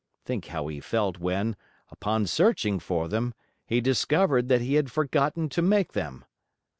Think how he felt when, upon searching for them, he discovered that he had forgotten to make them!